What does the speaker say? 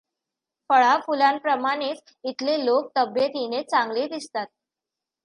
फळा फुलांप्रमाणेच इथले लोक तब्येतीने चांगले दिसतात.